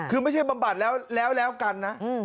คือไม่ใช่บำบัดแล้วแล้วกันนะ